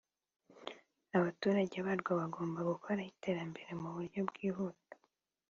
"abaturage barwo bagomba gutera imbere mu buryo bwihuse